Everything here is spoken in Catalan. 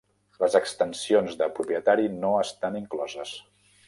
Les extensions de propietari no estan incloses.